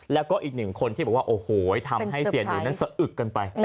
แล้วก็อีก๑คนที่บอกว่าโอ้โหยทำให้เสียงต่ามิดงานเสื้อกันไป